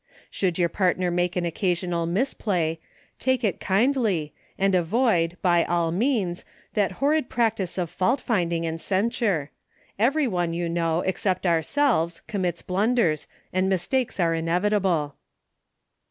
Should your partner make an occasional misplay, take it kindly, and avoid, by all means, that horrid practice of fault finding and censure — every one, you know, except ourselves, commits blunders, and mistakes are inevitable.